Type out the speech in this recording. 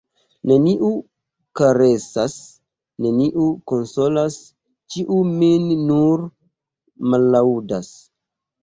Neniu karesas, neniu konsolas, ĉiu min nur mallaŭdas.